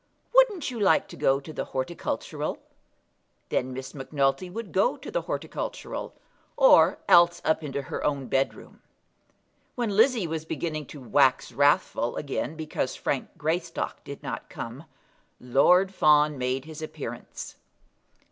Wouldn't you like to go to the Horticultural?" Then Miss Macnulty would go to the Horticultural, or else up into her own bed room. When Lizzie was beginning to wax wrathful again because Frank Greystock did not come, Lord Fawn made his appearance.